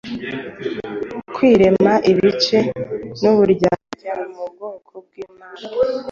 kwirema ibice n’uburyarya mu bwoko bw’Imana.